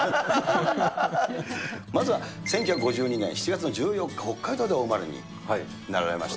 まずは１９５２年７月の１４日、北海道でお生まれになられました。